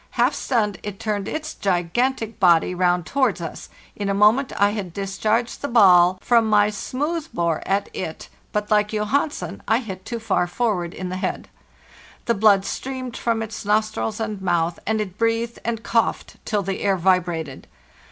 Half stunned, it turned its gigantic body round towards us; in a moment I had discharged the ball from my smooth bore at it, but, like Johansen, I hit too far forward in the head. The blood streamed from its nostrils and mouth, and it breathed and coughed till the air vibrated.